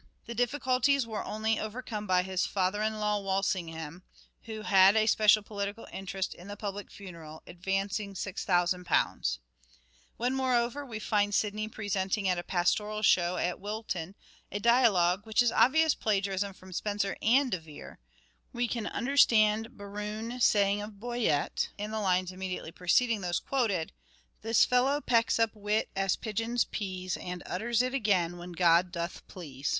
The difficulties were only over come by his father in law Walsingham, who had a special political interest in the public funeral, ad vancing £6,000. When, moreover, we find Sidney presenting at a pastoral show at Wilton a dialogue, which is obvious plagiarism from Spenser and De Vere, we can under stand Berowne saying of Boyet, in the lines immediately preceding those quoted :" This fellow pecks up wit as pigeons pease, And utters it again when God doth please."